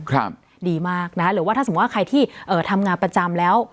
ครับดีมากนะคะหรือว่าถ้าสมมุติว่าใครที่เอ่อทำงานประจำแล้ว